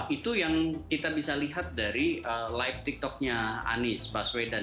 itu yang kita bisa lihat dari live tiktoknya anies baswedan